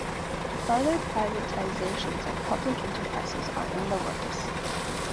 Further privatizations of public enterprises are in the works.